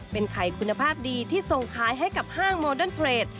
เป็นไข่คุณภาพดีที่ส่งขายให้กับห้างโมเดิร์นเทรด